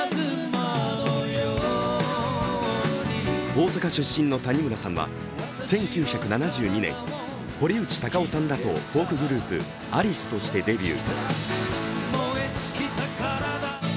大阪出身の谷村さんは１９７２年、堀内孝雄さんらとフォークグループ、アリスとしてデビュー。